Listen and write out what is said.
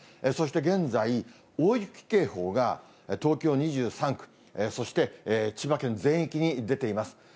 そして現在、大雪警報が東京２３区、そして、千葉県全域に出ています。